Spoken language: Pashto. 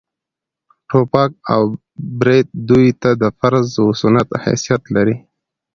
ټوپک او برېت دوى ته د فرض و سنت حيثيت لري.